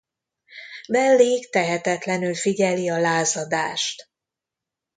Bellick tehetetlenül figyeli a lázadást.